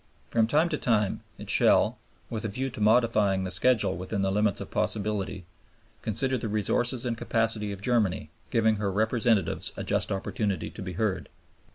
From time to time it shall, with a view to modifying the schedule within the limits of possibility, "consider the resources and capacity of Germany ... giving her representatives a just opportunity to be heard."